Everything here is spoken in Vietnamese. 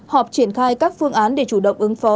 họp triển khai các phương án để chủ động ứng phó